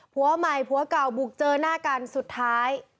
ผัวใหม่ผัวเก่าบุกเจอหน้ากันสุดท้าย